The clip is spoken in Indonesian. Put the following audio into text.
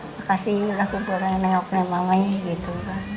makasih udah kumpul dengan neok neok mami gitu